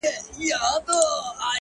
څه ته مي زړه نه غواړي ـ